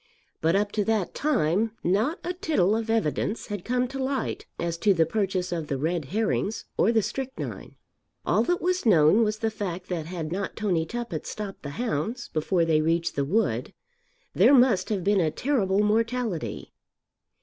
But up to that time not a tittle of evidence had come to light as to the purchase of the red herrings or the strychnine. All that was known was the fact that had not Tony Tuppett stopped the hounds before they reached the wood, there must have been a terrible mortality.